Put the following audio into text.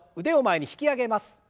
腕を前に引き上げます。